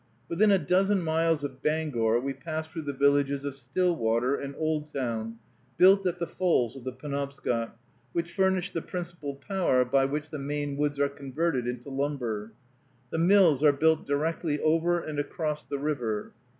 Within a dozen miles of Bangor we passed through the villages of Stillwater and Oldtown, built at the falls of the Penobscot, which furnish the principal power by which the Maine woods are converted into lumber. The mills are built directly over and across the river.